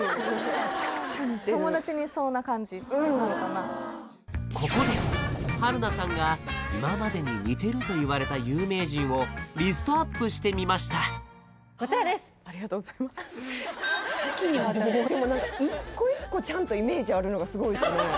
めちゃくちゃ似てるここで春菜さんが今までに似てると言われた有名人をリストアップしてみましたこちらですありがとうございます多岐にわたるもうでも何か一個一個ちゃんとイメージあるのがすごいですね